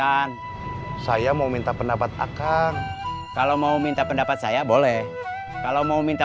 kan saya mau minta pendapat akan kalau mau minta pendapat saya boleh kalau mau minta